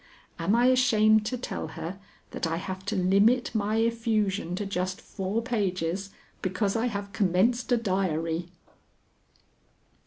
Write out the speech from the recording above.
Am I ashamed to tell her that I have to limit my effusion to just four pages because I have commenced a diary?